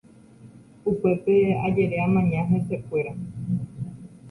Upépe ajere amaña hesekuéra.